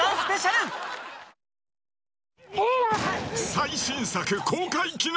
最新作公開記念。